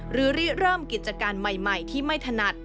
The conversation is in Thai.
หรือเริ่มกิจการใหม่ที่ไม่ถนัด